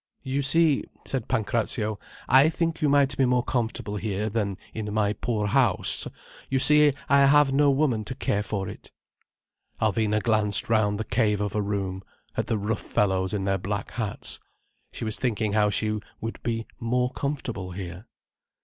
"You see," said Pancrazio, "I think you might be more comfortable here, than in my poor house. You see I have no woman to care for it—" Alvina glanced round the cave of a room, at the rough fellows in their black hats. She was thinking how she would be "more comfortable" here.